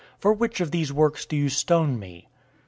For which of those works do you stone me?"